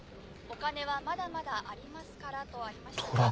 お金はまだまだありますから」とありましたが。